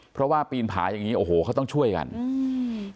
เพราะว่าปีนผาอย่างงี้โอ้โหเขาต้องช่วยกันอืม